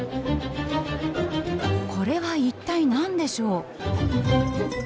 これは一体何でしょう？